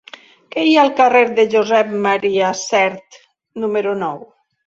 Què hi ha al carrer de Josep M. Sert número nou?